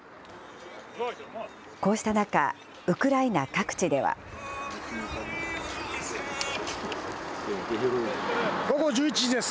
こうした中、ウクライナ各地では。午後１１時です。